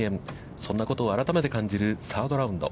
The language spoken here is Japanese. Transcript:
そんなことを改めて感じるサードラウンド。